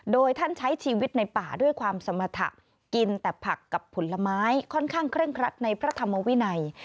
โดยท่านใช้ชีวิตในป่าด้วยความสมรรถะกินแต่ผักกับผลไม้ค่อนข้างเคร่งครัดในพระธรรมวินัย